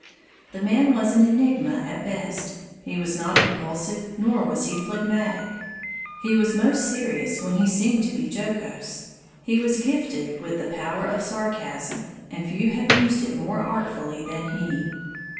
The man was an enigma at best. He was not impulsive, nor was he phlegmatic. He was most serious when he seemed to be jocose. He was gifted with the power of sarcasm, and few have used it more artfully than he.